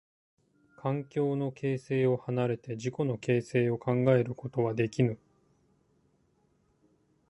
環境の形成を離れて自己の形成を考えることはできぬ。